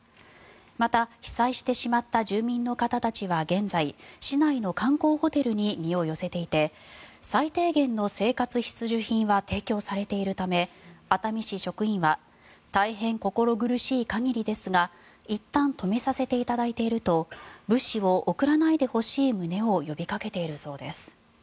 また、被災してしまった住民の方たちは現在市内の観光ホテルに身を寄せていて最低限の生活必需品は提供されているため熱海市職員は大変心苦しい限りですがいったん止めさせていただいていると物資を送らないでほしい旨を呼びかけているそうです。